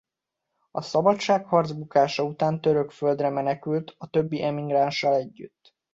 A szabadságharc bukása után török földre menekült a többi emigránssal együtt.